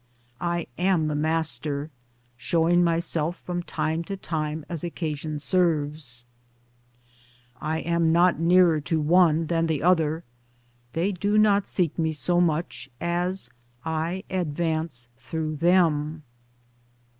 I am the Master, showing myself from time to time as occasion serves. Towards Democracy 109 I am not nearer to one than the other ; they do not seek me so much as I advance through them.